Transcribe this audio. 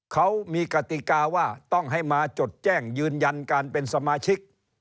เขามีกติกาว่าต้องให้มาจดแจ้งยืนยันการเป็นสมาชิก